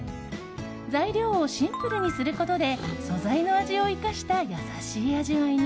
材料をシンプルにすることで素材の味を生かした優しい味わいに。